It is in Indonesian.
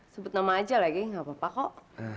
sebut nama aja lagi gak apa apa kok